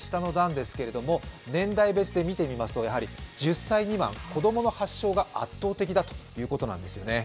年代別で見てみますと、１０歳未満、子供の発症が圧倒的だということなんですね。